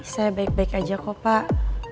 saya baik baik aja kok pak